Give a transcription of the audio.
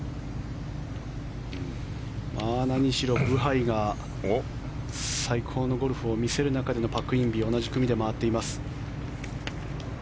何しろブハイが最高のゴルフを見せる中でのパク・インビ、同じ組で回っています。